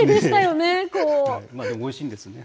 でも、おいしいんですね。